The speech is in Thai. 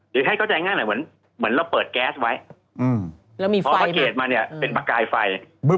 หรือให้เข้าใจง่ายหน่อยเหมือนเหมือนเราเปิดแก๊สไว้อืมแล้วมีไฟมาเพราะว่าเกดมันเนี่ยเป็นประกายไฟ